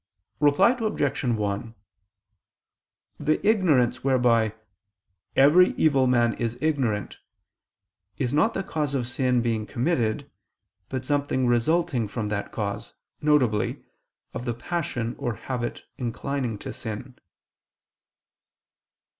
Reply Obj. 1: The ignorance whereby "every evil man is ignorant," is not the cause of sin being committed, but something resulting from that cause, viz. of the passion or habit inclining to sin.